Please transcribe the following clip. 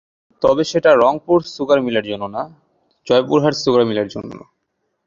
তবে সেটা রংপুর সুগার মিলের জন্য না, জয়পুরহাট সুগার মিলের জন্য।